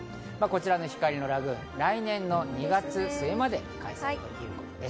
光のラグーン、来年の２月末まで開催ということです。